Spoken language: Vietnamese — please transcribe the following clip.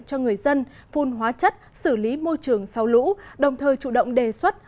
cho người dân phun hóa chất xử lý môi trường sau lũ đồng thời chủ động đề xuất